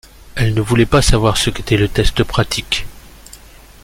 Elle ne voulait pas savoir ce qu’était le test pratique.